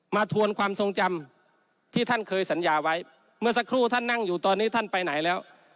ทวนความทรงจำที่ท่านเคยสัญญาไว้เมื่อสักครู่ท่านนั่งอยู่ตอนนี้ท่านไปไหนแล้ว